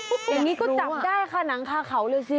อย่างนี้ก็จับได้ค่ะหนังคาเขาเลยสิ